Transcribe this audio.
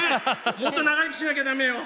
もっと長生きしなきゃだめよ！